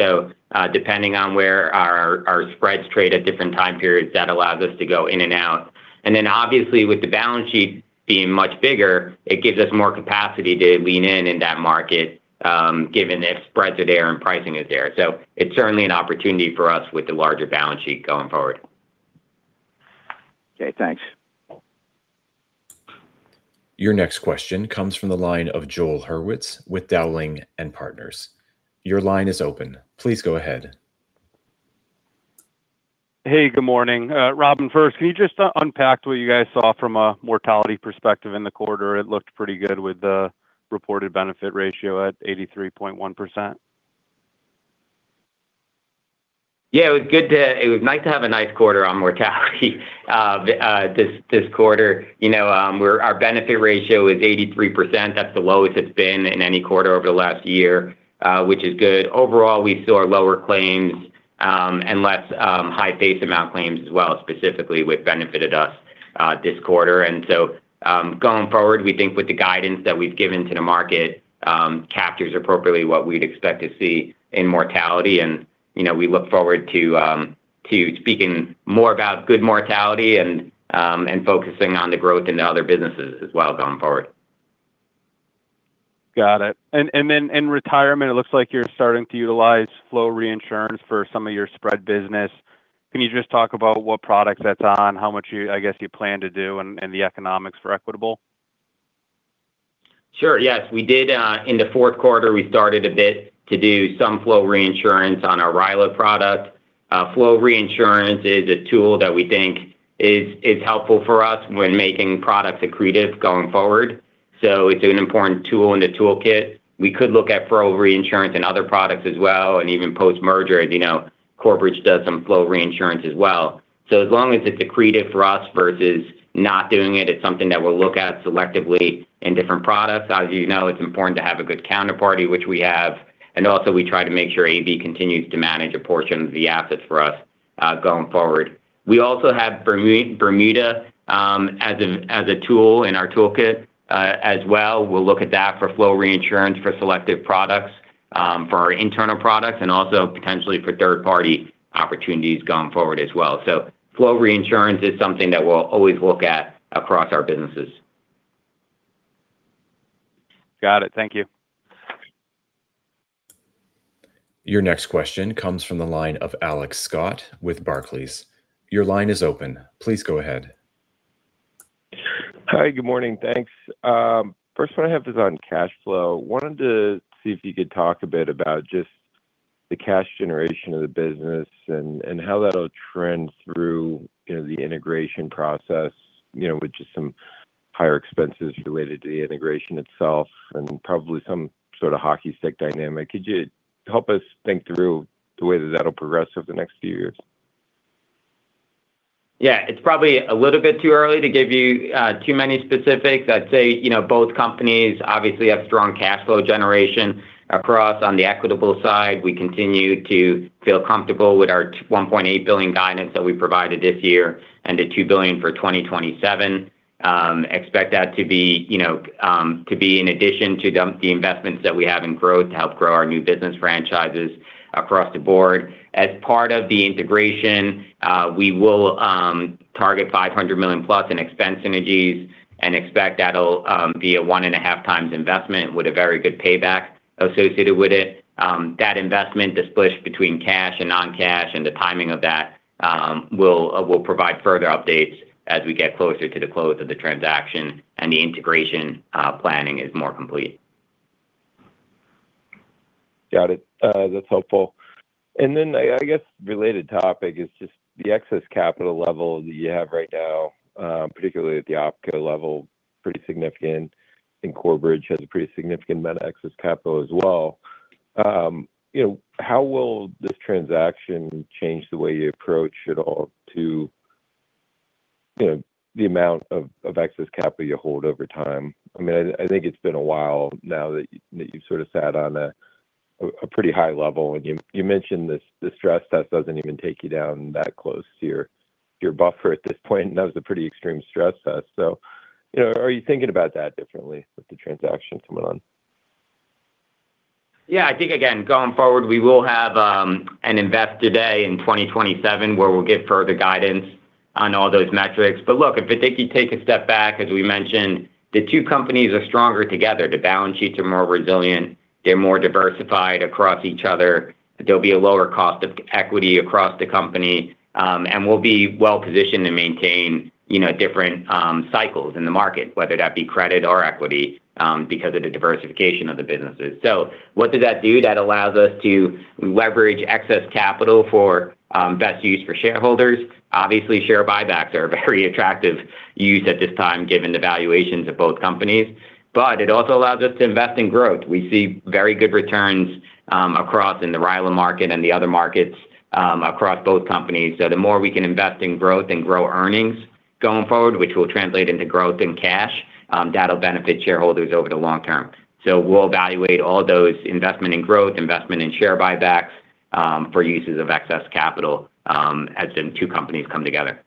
depending on where our spreads trade at different time periods, that allows us to go in and out. Obviously with the balance sheet being much bigger, it gives us more capacity to lean in in that market, given if spreads are there and pricing is there. It's certainly an opportunity for us with the larger balance sheet going forward. Okay, thanks. Your next question comes from the line of Joel Hurwitz with Dowling & Partners. Your line is open. Please go ahead. Hey, good morning. Robin, first, can you just unpack what you guys saw from a mortality perspective in the quarter? It looked pretty good with the reported benefit ratio at 83.1%. Yeah, it was nice to have a nice quarter on mortality this quarter. You know, our benefit ratio is 83%. That's the lowest it's been in any quarter over the last year, which is good. Overall, we saw lower claims, and less high base amount claims as well, specifically with benefited us this quarter. Going forward, we think with the guidance that we've given to the market, captures appropriately what we'd expect to see in mortality. You know, we look forward to speaking more about good mortality and focusing on the growth in the other businesses as well going forward. Got it. In retirement, it looks like you're starting to utilize flow reinsurance for some of your spread business. Can you just talk about what products that's on, how much you, I guess, you plan to do and the economics for Equitable? Sure, yes. We did, in the fourth quarter, we started a bit to do some flow reinsurance on our RILA product. Flow reinsurance is a tool that we think is helpful for us when making products accretive going forward. It's an important tool in the toolkit. We could look at flow reinsurance in other products as well, and even post-merger, as you know, Corebridge does some flow reinsurance as well. As long as it's accretive for us versus not doing it's something that we'll look at selectively in different products. As you know, it's important to have a good counterparty, which we have. We try to make sure AB continues to manage a portion of the assets for us going forward. We also have Bermuda as a tool in our toolkit as well. We'll look at that for flow reinsurance for selective products, for our internal products and also potentially for third-party opportunities going forward as well. Flow reinsurance is something that we'll always look at across our businesses. Got it. Thank you. Your next question comes from the line of Alex Scott with Barclays. Your line is open. Please go ahead. Hi, good morning. Thanks. First one I have is on cash flow. Wanted to see if you could talk a bit about just the cash generation of the business and how that'll trend through, you know, the integration process, you know, with just some higher expenses related to the integration itself and probably some sort of hockey stick dynamic. Could you help us think through the way that that'll progress over the next few years? It's probably a little bit too early to give you too many specifics. I'd say, you know, both companies obviously have strong cash flow generation across. On the Equitable side, we continue to feel comfortable with our $1.8 billion guidance that we provided this year and the $2 billion for 2027. Expect that to be in addition to the investments that we have in growth to help grow our new business franchises across the board. As part of the integration, we will target $500+ million in expense synergies and expect that'll be a 1.5x investment with a very good payback associated with it. That investment is split between cash and non-cash, and the timing of that, we'll provide further updates as we get closer to the close of the transaction and the integration planning is more complete. Got it. That's helpful. I guess, related topic is just the excess capital level that you have right now, particularly at the OpCo level, pretty significant, and Corebridge has a pretty significant amount of excess capital as well. You know, how will this transaction change the way you approach at all to? You know, the amount of excess capital you hold over time. I mean, I think it's been a while now that you've sort of sat on a pretty high level, and you mentioned this, the stress test doesn't even take you down that close to your buffer at this point, and that was a pretty extreme stress test. You know, are you thinking about that differently with the transaction coming on? Yeah. I think, again, going forward, we will have an Investor Day in 2027 where we'll give further guidance on all those metrics. Look, if I take a step back, as we mentioned, the two companies are stronger together. The balance sheets are more resilient. They're more diversified across each other. There'll be a lower cost of equity across the company, and we'll be well-positioned to maintain, you know, different cycles in the market, whether that be credit or equity, because of the diversification of the businesses. What does that do? That allows us to leverage excess capital for best use for shareholders. Obviously, share buybacks are a very attractive use at this time given the valuations of both companies. It also allows us to invest in growth. We see very good returns across in the RILA market and the other markets across both companies. The more we can invest in growth and grow earnings going forward, which will translate into growth and cash, that'll benefit shareholders over the long term. We'll evaluate all those investment in growth, investment in share buybacks for uses of excess capital as the two companies come together.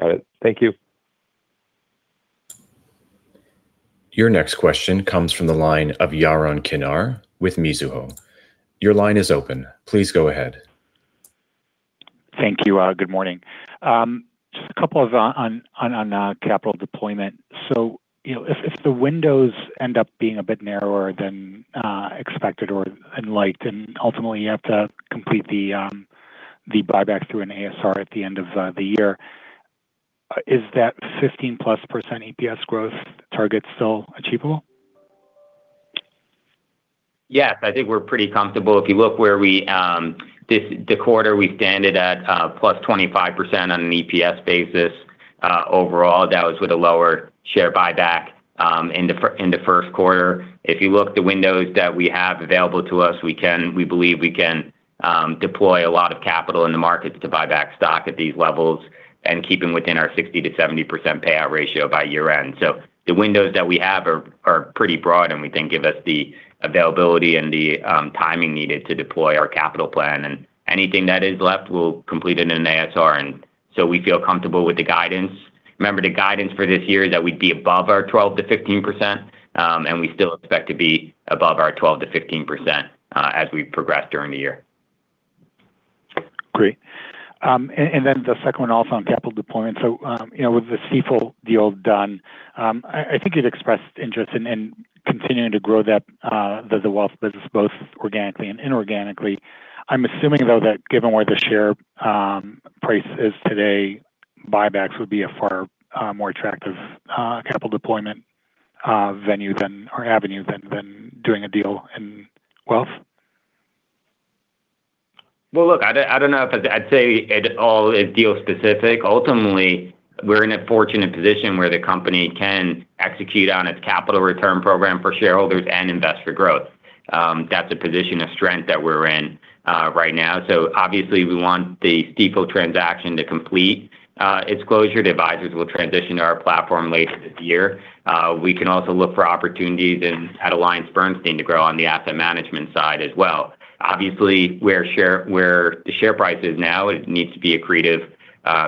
Got it. Thank you. Your next question comes from the line of Yaron Kinar with Mizuho. Your line is open. Please go ahead. Thank you. Good morning. Just a couple of, on capital deployment. You know, if the windows end up being a bit narrower than expected or liked and ultimately you have to complete the buyback through an ASR at the end of the year, is that 15%+ EPS growth target still achievable? Yes. I think we're pretty comfortable. If you look where we, the quarter we've ended at, +25% on an EPS basis overall. That was with a lower share buyback in the first quarter. If you look the windows that we have available to us, we believe we can deploy a lot of capital in the markets to buy back stock at these levels and keeping within our 60%-70% payout ratio by year-end. The windows that we have are pretty broad and we think give us the availability and the timing needed to deploy our capital plan. Anything that is left, we'll complete it in an ASR. We feel comfortable with the guidance. Remember, the guidance for this year is that we'd be above our 12%-15%, and we still expect to be above our 12%-15%, as we progress during the year. Great. Then the second one also on capital deployment. You know, with the Stifel deal done, I think you'd expressed interest in continuing to grow the wealth business both organically and inorganically. I'm assuming though that given where the share price is today, buybacks would be a far more attractive capital deployment venue or avenue than doing a deal in wealth. Look, I don't know if I'd say it all is deal specific. Ultimately, we're in a fortunate position where the company can execute on its capital return program for shareholders and invest for growth. That's a position of strength that we're in right now. Obviously we want the Stifel transaction to complete its closure. The advisors will transition to our platform later this year. We can also look for opportunities at AllianceBernstein to grow on the asset management side as well. Obviously, where the share price is now, it needs to be accretive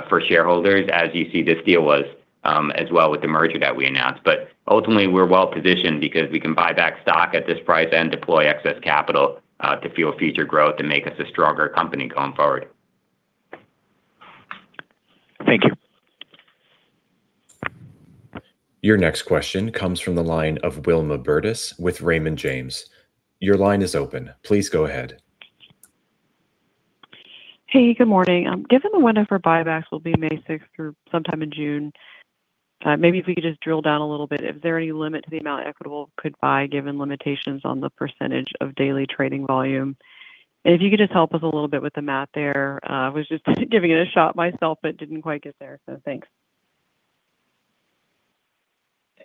for shareholders, as you see this deal was as well with the merger that we announced. Ultimately, we're well-positioned because we can buy back stock at this price and deploy excess capital to fuel future growth and make us a stronger company going forward. Thank you. Your next question comes from the line of Wilma Burdis with Raymond James. Your line is open. Please go ahead. Hey, good morning. Given the window for buybacks will be May 6 through sometime in June, maybe if we could just drill down a little bit. Is there any limit to the amount Equitable could buy given limitations on the percentage of daily trading volume? If you could just help us a little bit with the math there. I was just giving it a shot myself, but didn't quite get there, so thanks.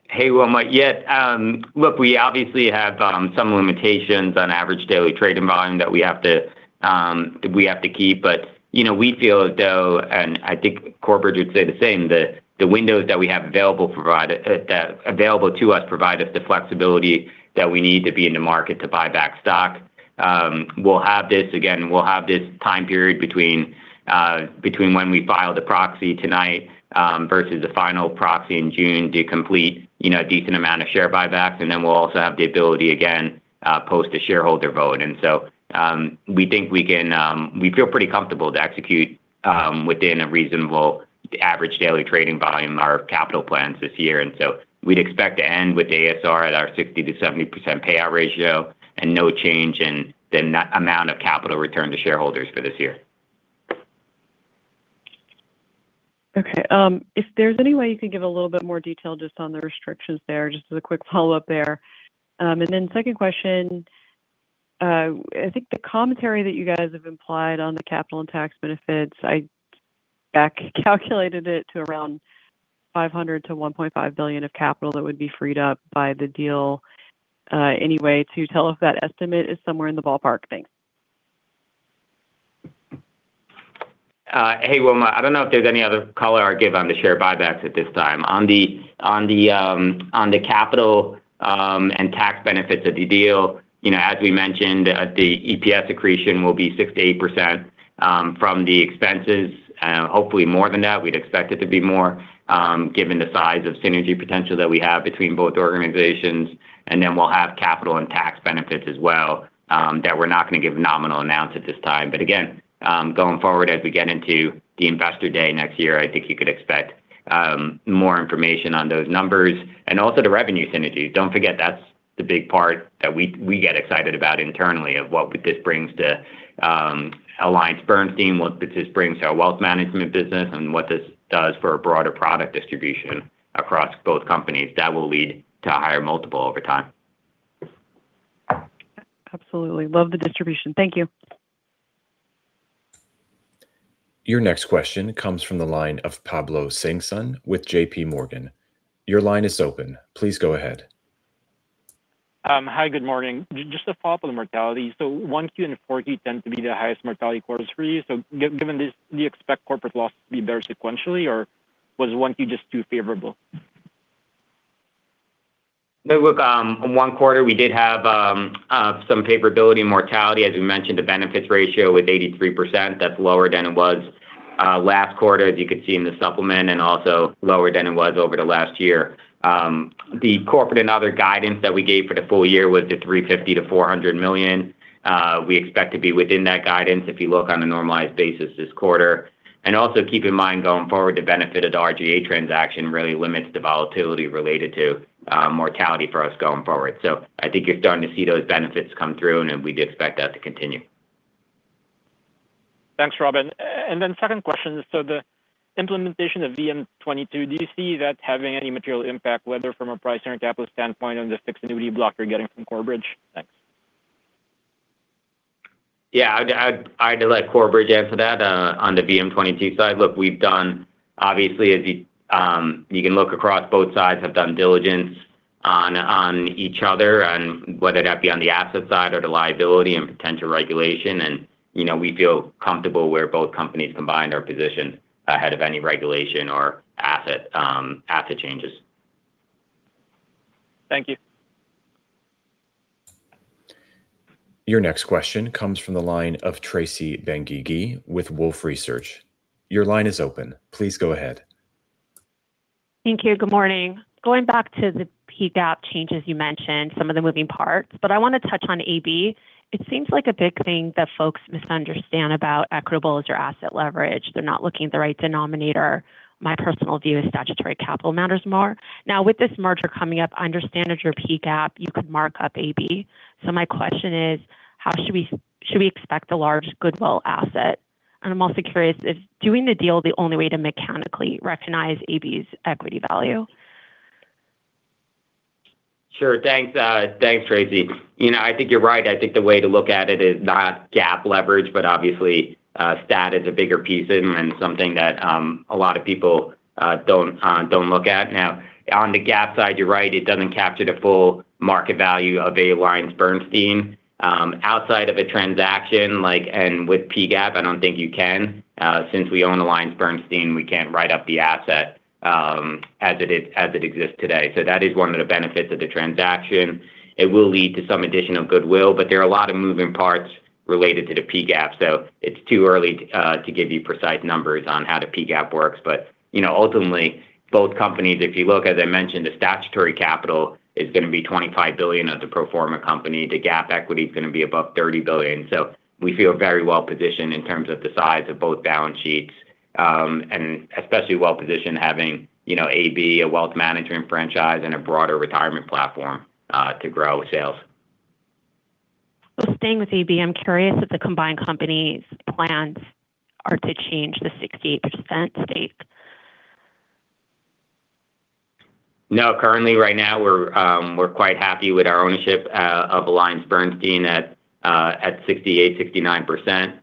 Hey, Wilma. Yes. Look, we obviously have some limitations on average daily trading volume that we have to keep. You know, we feel as though, and I think corporate would say the same, the windows that we have available to us provide us the flexibility that we need to be in the market to buy back stock. We'll have this. Again, we'll have this time period between when we file the proxy tonight versus the final proxy in June to complete, you know, a decent amount of share buybacks. We'll also have the ability again post a shareholder vote. We think we can. We feel pretty comfortable to execute within a reasonable average daily trading volume our capital plans this year. We'd expect to end with ASR at our 60%-70% payout ratio and no change in the amount of capital return to shareholders for this year. Okay. if there's any way you can give a little bit more detail just on the restrictions there, just as a quick follow-up there. Second question. I think the commentary that you guys have implied on the capital and tax benefits, I back calculated it to around $500 million-$1.5 billion of capital that would be freed up by the deal. Any way to tell if that estimate is somewhere in the ballpark? Thanks Hey, Wilma, I don't know if there's any other color I'd give on the share buybacks at this time. On the capital and tax benefits of the deal, you know, as we mentioned, the EPS accretion will be 6%-8% from the expenses and hopefully more than that. We'd expect it to be more given the size of synergy potential that we have between both organizations, and then we'll have capital and tax benefits as well that we're not gonna give nominal amounts at this time. Again, going forward, as we get into the Investor Day next year, I think you could expect more information on those numbers and also the revenue synergy. Don't forget, that's the big part that we get excited about internally of what this brings to AllianceBernstein, what this brings to our wealth management business, and what this does for a broader product distribution across both companies. That will lead to a higher multiple over time. Absolutely. Love the distribution. Thank you. Your next question comes from the line of Pablo Singzon with JPMorgan. Your line is open. Please go ahead. Hi. Good morning. Just a follow-up on the mortality. 1Q and 4Q tend to be the highest mortality quarters for you. Given this, do you expect corporate loss to be better sequentially, or was 1Q just too favorable? No, look, in one quarter, we did have some favorability in mortality. As we mentioned, the benefits ratio with 83%, that's lower than it was last quarter, as you could see in the supplement and also lower than it was over the last year. The corporate and other guidance that we gave for the full year was the $350 million-$400 million. We expect to be within that guidance if you look on a normalized basis this quarter. Also keep in mind, going forward, the benefit of the RGA transaction really limits the volatility related to mortality for us going forward. I think you're starting to see those benefits come through, then we'd expect that to continue. Thanks, Robin. Second question. The implementation of VM-22, do you see that having any material impact, whether from a price or a capital standpoint on the fixed annuity block you're getting from Corebridge? Thanks. Yeah. I'd let Corebridge answer that on the VM-22 side. Look, we've done obviously, as you can look across both sides, have done diligence on each other on whether that be on the asset side or the liability and potential regulation. You know, we feel comfortable where both companies combined are positioned ahead of any regulation or asset changes. Thank you. Your next question comes from the line of Tracy Benguigui with Wolfe Research. Your line is open. Please go ahead. Thank you. Good morning. Going back to the P-GAAP changes, you mentioned some of the moving parts. I want to touch on AB. It seems like a big thing that folks misunderstand about Equitable is your asset leverage. They're not looking at the right denominator. My personal view is statutory capital matters more. With this merger coming up, I understand with your P-GAAP, you could mark up AB. My question is, how should we expect a large goodwill asset? I'm also curious, is doing the deal the only way to mechanically recognize AB's equity value? Sure. Thanks, thanks, Tracy. You know, I think you're right. I think the way to look at it is not GAAP leverage, but obviously, stat is a bigger piece and something that a lot of people don't look at. On the GAAP side, you're right. It doesn't capture the full market value of AllianceBernstein. Outside of a transaction like and with P-GAAP, I don't think you can. Since we own AllianceBernstein, we can't write up the asset as it is, as it exists today. That is one of the benefits of the transaction. It will lead to some additional goodwill, but there are a lot of moving parts related to the P-GAAP. It's too early to give you precise numbers on how the P-GAAP works. You know, ultimately, both companies, if you look, as I mentioned, the statutory capital is going to be $25 billion of the pro forma company. The GAAP equity is going to be above $30 billion. We feel very well-positioned in terms of the size of both balance sheets, and especially well-positioned having, you know, AB, a wealth management franchise, and a broader retirement platform to grow sales. Well, staying with AB, I'm curious if the combined company's plans are to change the 68% stake. No. Currently, right now, we're quite happy with our ownership of AllianceBernstein at 68%, 69%.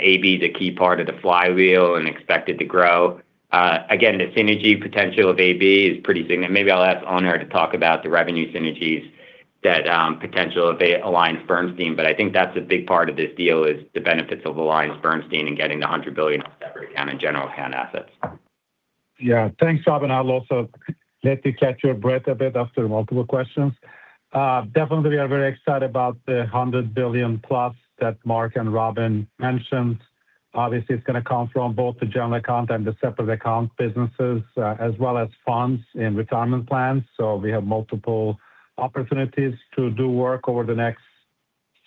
AB is a key part of the flywheel and expected to grow. Again, the synergy potential of AB is pretty significant. Maybe I'll ask Onur to talk about the revenue synergies that potential of AllianceBernstein. I think that's a big part of this deal is the benefits of AllianceBernstein and getting the $100 billion of separate account and general account assets. Yeah. Thanks, Robin. I'll also let you catch your breath a bit after multiple questions. Definitely, we are very excited about the $100+ billion that Mark and Robin mentioned. Obviously, it's going to come from both the general account and the separate account businesses, as well as funds and retirement plans. We have multiple opportunities to do work over the next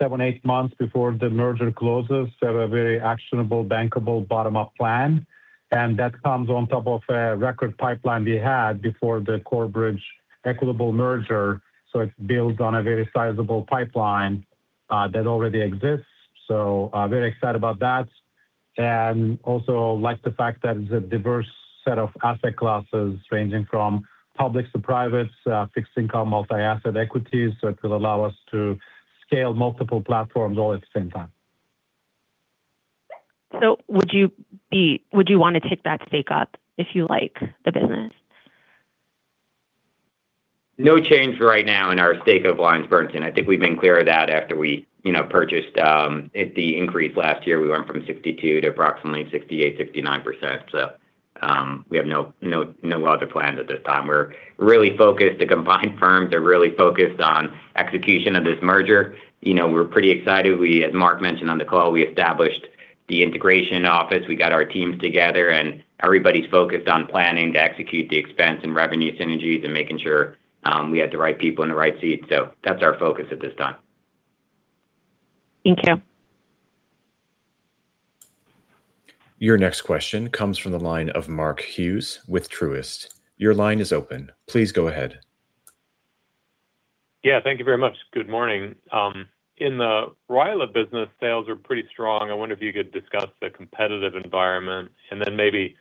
seven, eight months before the merger closes. A very actionable, bankable bottom-up plan, and that comes on top of a record pipeline we had before the Corebridge-Equitable merger. It builds on a very sizable pipeline that already exists. Very excited about that. Also like the fact that it's a diverse set of asset classes ranging from public to private, fixed income, multi-asset equities. It will allow us to scale multiple platforms all at the same time. Would you want to take that stake up if you like the business? No change right now in our stake of AllianceBernstein. I think we've been clear of that after we, you know, purchased at the increase last year, we went from 62% to approximately 68%, 69%. We have no other plans at this time. We're really focused. The combined firms are really focused on execution of this merger. You know, we're pretty excited. We, as Mark mentioned on the call, we established the integration office. We got our teams together, and everybody's focused on planning to execute the expense and revenue synergies and making sure we have the right people in the right seats. That's our focus at this time. Thank you. Your next question comes from the line of Mark Hughes with Truist. Your line is open. Please go ahead. Yeah, thank you very much. Good morning. In the RILA business, sales are pretty strong. I wonder if you could discuss the competitive environment and then maybe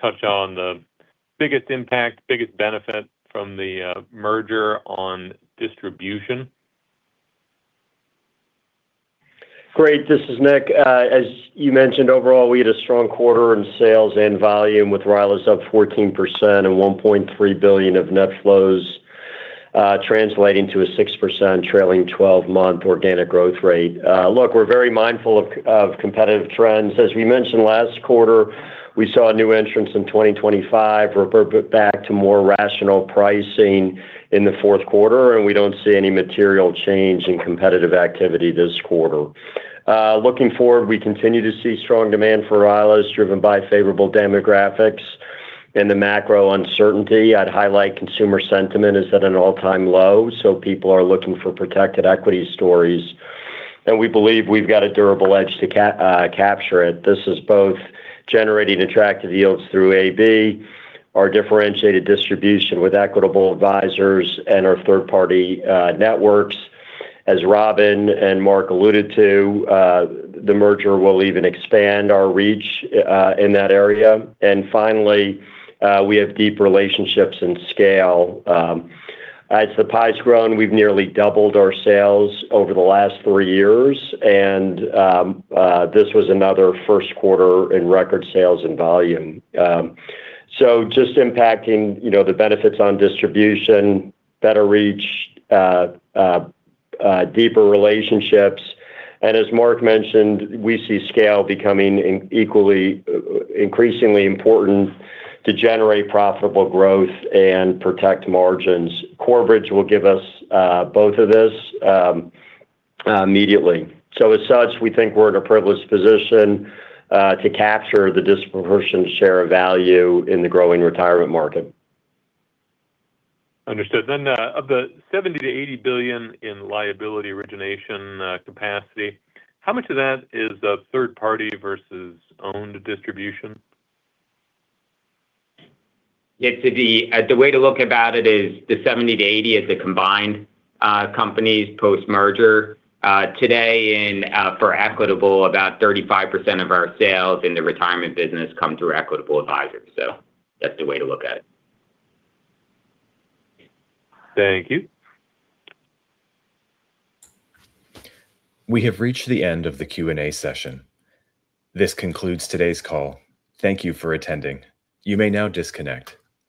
touch on the biggest impact, biggest benefit from the merger on distribution. Great. This is Nick. As you mentioned, overall, we had a strong quarter in sales and volume, with RILAs up 14% and $1.3 billion of net flows, translating to a 6% trailing 12-month organic growth rate. Look, we're very mindful of competitive trends. As we mentioned last quarter, we saw new entrants in 2025 reverberate back to more rational pricing in the fourth quarter, and we don't see any material change in competitive activity this quarter. Looking forward, we continue to see strong demand for RILA driven by favorable demographics. In the macro uncertainty, I'd highlight consumer sentiment is at an all-time low, so people are looking for protected equity stories. We believe we've got a durable edge to capture it. This is both generating attractive yields through AB, our differentiated distribution with Equitable Advisors, and our third-party networks. As Robin and Mark alluded to, the merger will even expand our reach in that area. Finally, we have deep relationships and scale. As the pie's grown, we've nearly doubled our sales over the last three years. This was another first quarter in record sales and volume. Just impacting, you know, the benefits on distribution, better reach, deeper relationships. As Mark mentioned, we see scale becoming in equally increasingly important to generate profitable growth and protect margins. Corebridge will give us both of this immediately. As such, we think we're in a privileged position to capture the disproportionate share of value in the growing retirement market. Understood. Of the $70 billion-$80 billion in liability origination, capacity, how much of that is third party versus owned distribution? Yeah. The way to look about it is the $70 billion-$80 billion is the combined companies post-merger. Today in for Equitable, about 35% of our sales in the retirement business come through Equitable Advisors. That's the way to look at it. Thank you. We have reached the end of the Q&A session. This concludes today's call. Thank you for attending. You may now disconnect.